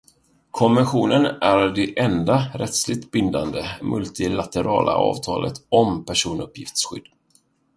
Konventionen är det enda rättsligt bindande multilaterala avtalet om personuppgiftsskydd.